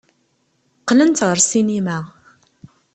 Qqlent ɣer ssinima.